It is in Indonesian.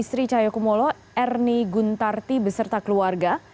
istri cahyokumolo ernie guntarti beserta keluarga